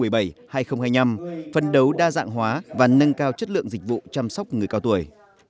phần đấu đa dạng hóa và nâng cao chất lượng dịch vụ chăm sóc người cao tuổi